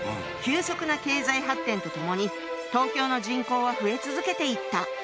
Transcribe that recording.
急速な経済発展とともに東京の人口は増え続けていった。